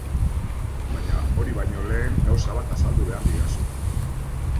Baina hori baino lehen gauza bat azaldu behar didazu.